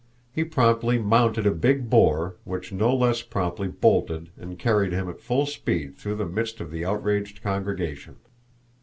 He promptly mounted a big boar, which no less promptly bolted and carried him at full speed through the midst of the outraged congregation.